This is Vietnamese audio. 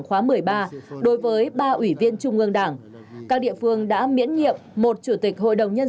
khóa một mươi ba đối với ba ủy viên trung ương đảng các địa phương đã miễn nhiệm một chủ tịch hội đồng nhân